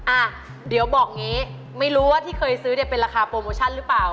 อ่ะเดี๋ยวบอกงี้ไม่รู้ว่าที่เคยซื้อเนี่ยเป็นราคาโปรโมชั่นหรือเปล่า